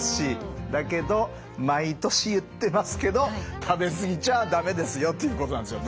だけど毎年言ってますけど食べ過ぎちゃ駄目ですよということなんですよね。